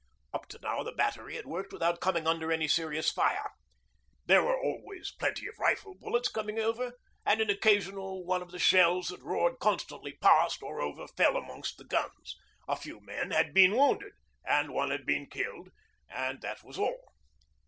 Up to now the Battery had worked without coming under any serious fire. There were always plenty of rifle bullets coming over, and an occasional one of the shells that roared constantly past or over fell amongst the guns. A few men had been wounded, and one had been killed, and that was all.